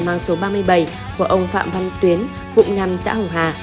mang số ba mươi bảy của ông phạm văn tuyến cụm năm xã hồng hà